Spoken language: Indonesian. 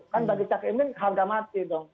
kan bagi cak imin harga mati dong